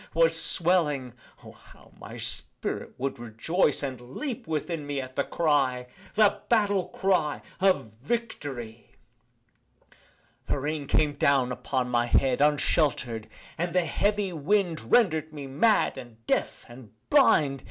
was swelling (O! how my spirit would rejoice, And leap within me at the cry) The battle cry of Victory! The rain came down upon my head Unshelter'd and the heavy wind Rendered me mad and deaf and blind.